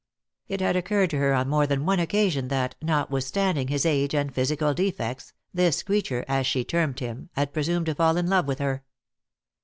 It had occurred to her on more than one occasion that, notwithstanding his age and physical defects, this creature, as she termed him, had presumed to fall in love with her.